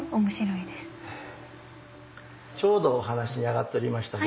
ちょうどお話に上がっておりました